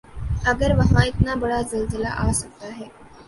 اگر وہاں اتنا بڑا زلزلہ آ سکتا ہے۔